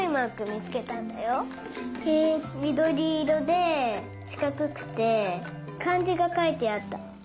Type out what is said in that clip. みどりいろでしかくくてかんじがかいてあった。